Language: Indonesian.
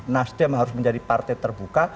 nasdem harus menjadi partai terbuka